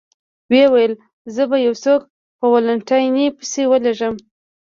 ویې ویل: زه به یو څوک په والنتیني پسې ولېږم.